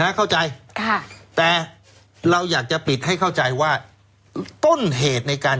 เข้าใจค่ะแต่เราอยากจะปิดให้เข้าใจว่าต้นเหตุในการ